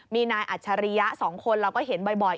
มีนายอัจฉริยะ๒คนเราก็เห็นบ่อย